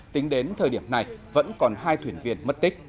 tính đến thời điểm này vẫn còn hai thuyền viên mất tích